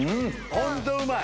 ホントうまい。